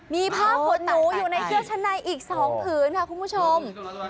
มีผ้าผลหนูอยู่ในเครื่องชะนายอีก๒ผืนค่ะคุณผู้ชม